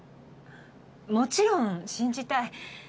もちろん信じたい。